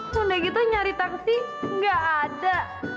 bunda kita nyari taksi gak ada